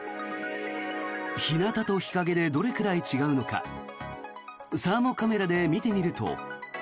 日なたと日陰でどれくらい違うのかサーモカメラで見てみると。